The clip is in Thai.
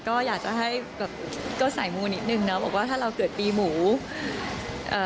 ก็อยากจะให้แบบก็สายมูนิดนึงนะบอกว่าถ้าเราเกิดปีหมูเอ่อ